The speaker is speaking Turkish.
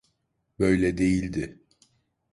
Böyle değildi.